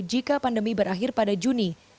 jika pandemi berakhir pada juni